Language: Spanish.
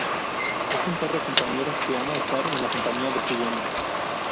Es un perro compañero que ama estar en la compañía de su dueño.